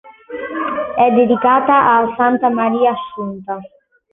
È dedicata a Santa Maria Assunta.